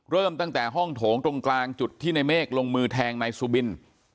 เริ่มตั้งแต่ห้องโถงตรงกลางจุดที่ในเมฆลงมือแทงนายสุบิน